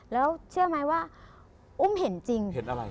แล้วเชื่อมั้ยว่าอุ้มเห็นจริง